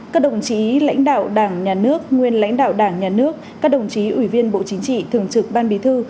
các đồng chí lãnh đạo đảng nhà nước nguyên lãnh đạo đảng nhà nước các đồng chí ủy viên bộ chính trị thường trực ban bí thư